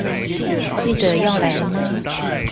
記者要來了嗎